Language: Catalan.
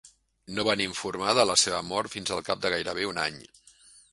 No van informar de la seva mort fins al cap de gairebé un any.